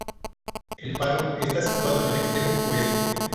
El faro está situado en el extremo oeste.